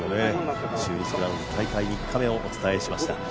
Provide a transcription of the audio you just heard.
中日クラウンズ大会３日目をお伝えしました。